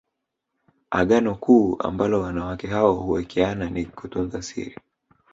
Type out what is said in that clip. Agano kuu ambalo wanawake hao huwekeana ni kutunza siri